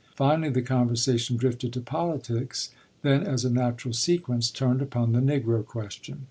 Finally the conversation drifted to politics; then, as a natural sequence, turned upon the Negro question.